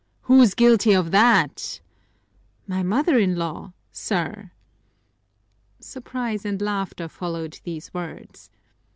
"Who's guilty of that?" "My mother in law, sir!" Surprise and laughter followed these words.